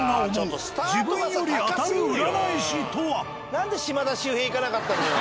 何で島田秀平いかなかったのよ。